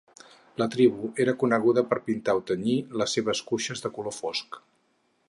La tribu era coneguda per pintar o tenyir les seves cuixes de color fosc.